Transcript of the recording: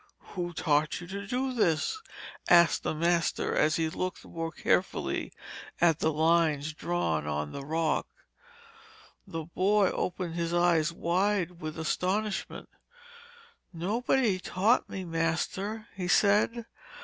'Who taught you to do this?' asked the master as he looked more carefully at the lines drawn on the rock. The boy opened his eyes wide with astonishment 'Nobody taught me, master,' he said.